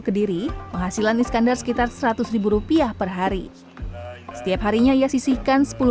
kediri penghasilan iskandar sekitar seratus ribu rupiah perhari setiap harinya ia sisihkan sepuluh